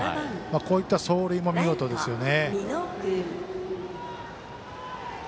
こういった走塁も見事ですよね。